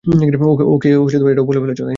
ওকে এটাও বলে ফেলেছ?